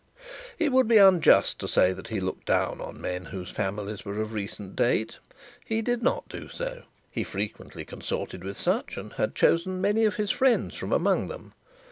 It would be unjust to say that he looked down in men whose families were of recent date. He did not do so. He frequently consorted with such, and had chosen many of his friends from among them.